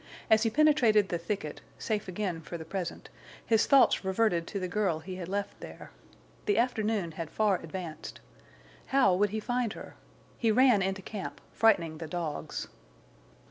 As he penetrated the thicket, safe again for the present, his thoughts reverted to the girl he had left there. The afternoon had far advanced. How would he find her? He ran into camp, frightening the dogs.